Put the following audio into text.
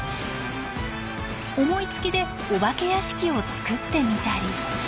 思いつきでお化け屋敷を作ってみたり。